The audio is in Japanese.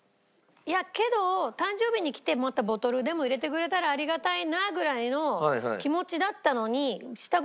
いやけど誕生日に来てまたボトルでも入れてくれたらありがたいなぐらいの気持ちだったのに。